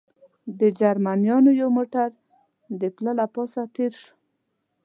د جرمنیانو یو موټر د پله له پاسه تېر شو.